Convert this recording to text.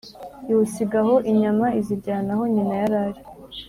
iwusiga aho, inyama izijyana aho nyina yari ari.